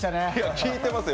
聞いてますよ。